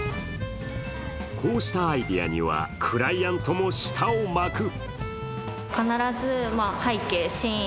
こうしたアイデアにはクライアントも舌を巻く。